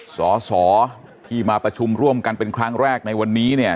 สอสอที่มาประชุมร่วมกันเป็นครั้งแรกในวันนี้เนี่ย